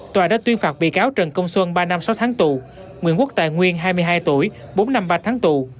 tòa đã tuyên phạt bị cáo trần công xuân ba năm sáu tháng tù nguyễn quốc tài nguyên hai mươi hai tuổi bốn năm ba tháng tù